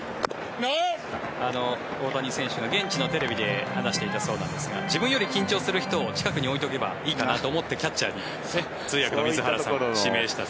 大谷選手が現地のテレビで話していたそうなんですが自分より緊張する人を近くに置いておけばいいかなと思ってキャッチャーに通訳の水原さんを指名したと。